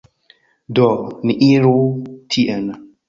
Do, ni iru tien